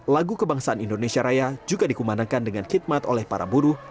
lagu kebangsaan indonesia raya juga dikumanakan dengan khidmat oleh para buruh